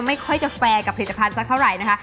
ไม่ค่อยจะแฟร์กับผลิตภัณฑ์สักเท่าไหร่นะคะ